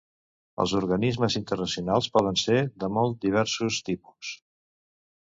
Els organismes internacionals poden ser de molt diversos tipus.